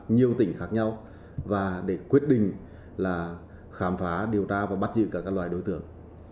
nhiều tỉnh khác nhau và để quyết định là khám phá điều tra và bắt giữ các loài đối tượng